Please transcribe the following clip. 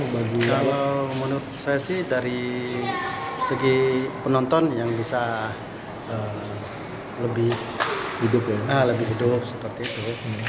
kalau menurut saya sih dari segi penonton yang bisa lebih hidup seperti itu